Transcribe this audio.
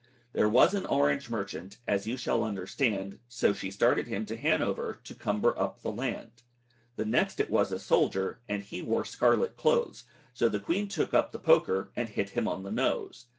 There was an Orange merchant. As you shall understand, So she started him to Hannover, To cumber up the land. The next it was a soldier, And he wore scarlet clothes, So the queen took up the poker, And hit him on the nose.